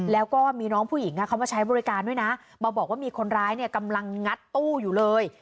แล้วก็มีน้องผู้หญิงเขามาใช้บริการด้วยนะมาบอกว่ามีคนร้ายเนี่ยกำลังงัดตู้อยู่เลย